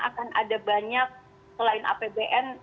akan ada banyak selain apbn